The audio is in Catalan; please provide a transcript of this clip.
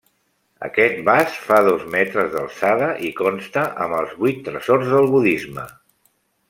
Aquest vas fa dos metres d'alçada i consta amb els vuit tresors del budisme.